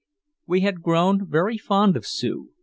We had grown very fond of Sue.